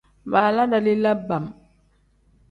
Baala dalila bam.